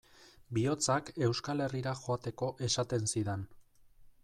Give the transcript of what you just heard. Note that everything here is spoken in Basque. Bihotzak Euskal Herrira joateko esaten zidan.